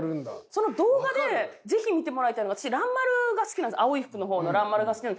その動画でぜひ見てもらいたいのが私蘭丸が好きなんです青い服のほうの蘭丸が好き。